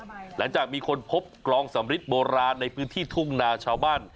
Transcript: หลังจากมีคนพบกลองสำริดโบราณในพื้นที่ทุ่งนาชาวบ้าน